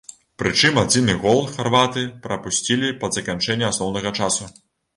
Прычым адзіны гол харваты прапусцілі пад заканчэнне асноўнага часу.